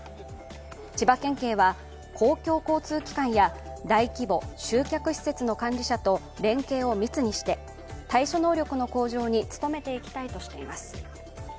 千葉県警は公共交通機関や大規模集客施設の管理者と連携を密にして、対処能力の向上に努めていきたいとしています。